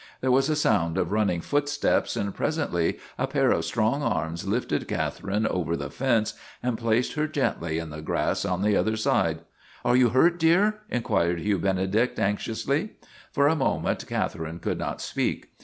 There was a sound of running footsteps and pres ently a pair of strong arms lifted Catherine over the fence and placed her gently in the grass on the other side. " Are you hurt, dear? " inquired Hugh Benedict, anxiously. For a moment Catherine could not speak.